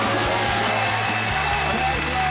お願いします。